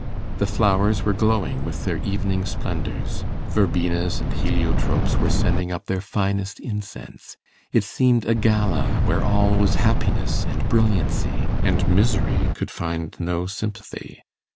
The flowers were glowing with their evening splendours; verbenas and heliotropes were sending up their finest incense. It seemed a gala where all was happiness and brilliancy, and misery could find no sympathy.